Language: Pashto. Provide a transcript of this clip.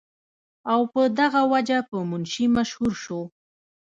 او پۀ دغه وجه پۀ منشي مشهور شو ۔